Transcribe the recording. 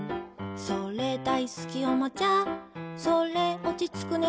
それ、大好きおもちゃそれ、落ちつく寝